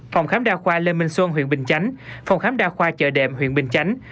phòng khám đa khoa lê minh xuân huyện bình chánh phòng khám đa khoa chợ đệm huyện bình chánh